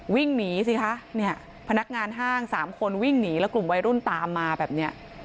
วิ่งหนีสิคะเนี่ยพนักงานห้างสามคนวิ่งหนีแล้วกลุ่มวัยรุ่นตามมาแบบเนี้ย